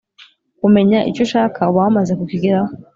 kumenya icyo ushaka uba wamaze kukigeraho.